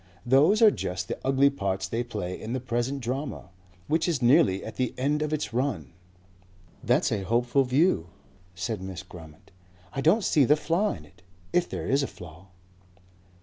Those are just the ugly parts they play in the present drama. Which is nearly at the end of its run." "That's a hopeful view," said Miss Grammont. "I don't see the flaw in it if there is a flaw."